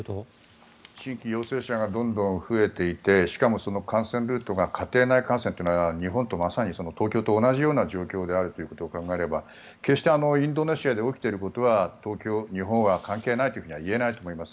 新規陽性者がどんどん増えていてしかも感染ルートが家庭内感染というのは日本とまさに東京と同じような状況であるとすれば決してインドネシアで起きていることは日本は関係ないとは言えないと思います。